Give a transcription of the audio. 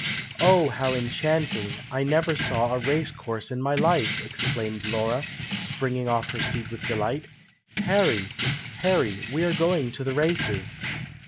"Oh, how enchanting! I never saw a race course in my life!" exclaimed Laura, springing off her seat with delight. "Harry! Harry! we are going to the races!"